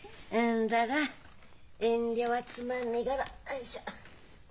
んだら遠慮はつまんねえがらよいしょ。